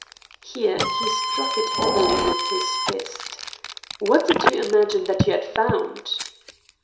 Here he struck it heavily with his fist. "What did you imagine that you had found?"